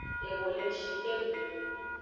Eho le ngshi gbe go.